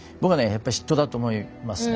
やっぱり嫉妬だと思いますね。